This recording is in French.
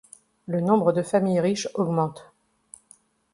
Le nombre de familles riches augmente.